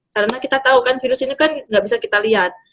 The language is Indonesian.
karena kita tahu kan virus ini kan gak bisa kita lihat